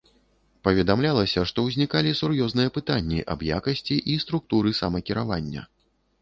Паведамлялася, што ўзнікалі сур'ёзныя пытанні аб якасці і структуры самакіравання.